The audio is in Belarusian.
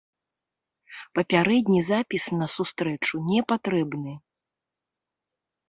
Папярэдні запіс на сустрэчу не патрэбны.